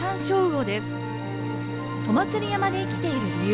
戸祭山で生きている理由